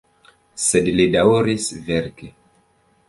Sed li daŭris verki.